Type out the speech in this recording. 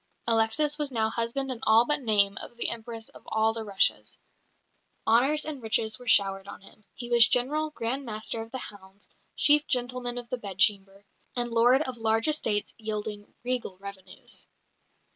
Alexis was now husband in all but name of the Empress of all the Russias; honours and riches were showered on him; he was General, Grandmaster of the Hounds, Chief Gentleman of the Bedchamber, and lord of large estates yielding regal revenues.